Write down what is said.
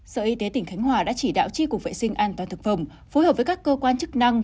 sở y tế tỉnh khánh hòa đã chỉ đạo tri cục vệ sinh an toàn thực phẩm phối hợp với các cơ quan chức năng